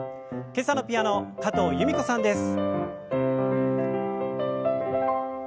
今朝のピアノ加藤由美子さんです。